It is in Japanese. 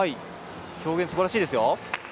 表現すばらしいですよ。